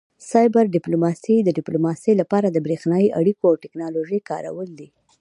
سایبر ډیپلوماسي د ډیپلوماسي لپاره د بریښنایي اړیکو او ټیکنالوژۍ کارول دي